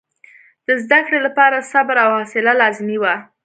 د زده کړې لپاره صبر او حوصله لازمي وه.